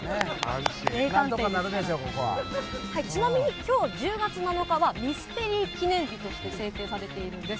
ちなみにきょう１０月７日は、ミステリー記念日として制定されているんです。